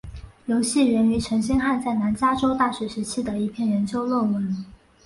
游戏源于陈星汉在南加州大学时期的一篇研究论文。